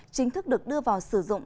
chính thức được đưa vào sử dụng